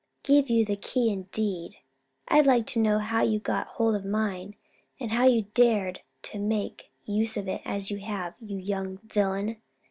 "Give you the key indeed! I'd like to know how you got hold of mine, and how you dared to make use of it as you have, you young villain!